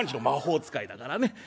魔法使いだからね。